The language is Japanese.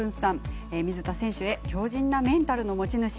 水田選手へ強じんなメンタルの持ち主。